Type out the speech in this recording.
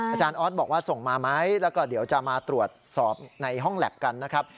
อาจารย์ออสบอกว่าส่งมาไหมแล้วก็เดี๋ยวจะมาตรวจสอบในห้องแล็บกันนะครับ